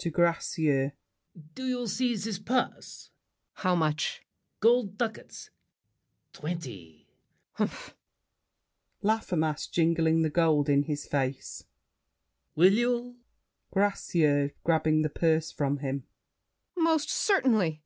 [To Gracieux.] Do you see this purse? GRACIEUX. How much! LAFFEMAS. Gold ducats—twenty! GRACIEUX. Humph! LAFFEMAS (jingling the gold in his face). Will you? GRACIEUX (grabbing the purse from him). Most certainly!